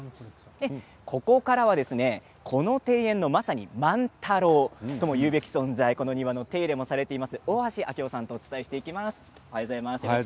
ここからは、この庭園のまさに万太郎とも言うべき存在この庭の手入れもされている大橋明雄さんとお伝えしていきます。